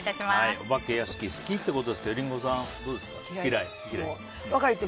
お化け屋敷好き？ということですがリンゴさんどうですか。